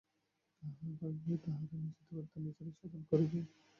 তাহা হইলে তাহারা নিজেদের উদ্ধার নিজেরাই সাধন করিবে।